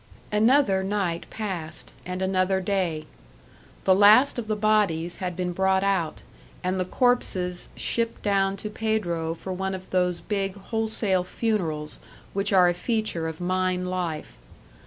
Another night passed, and another day. The last of the bodies had been brought out, and the corpses shipped down to Pedro for one of those big wholesale funerals which are a feature of mine life.